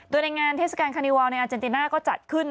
โดยในงานเทศกาลคานิวาลในอาเจนติน่าก็จัดขึ้น